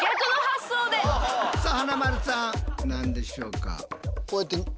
さあ華丸さん何でしょうか？